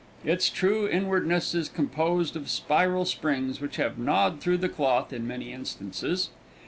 Its true inwardness is composed of spiral springs which have gnawed through the cloth in many instances.